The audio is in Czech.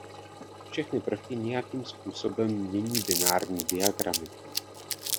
Všechny prvky nějakým způsobem mění binární diagramy.